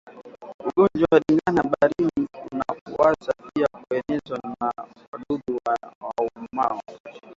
Ugonjwa wa ndigana baridi unaweza pia kuenezwa na wadudu waumao